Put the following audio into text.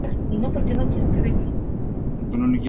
Hay nuevas máquinas recreativas donde podremos ganar tickets.